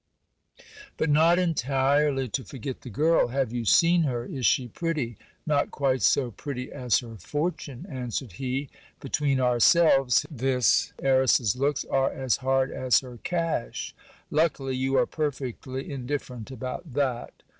But, not entirely to forget the girl, have you seen her ? is she pretty ? Not quite so pretty as her fortune, answered he. Between ourselves, this heiress's looks are as hard as her cash. Luckily, you are perfectly indifferent about that.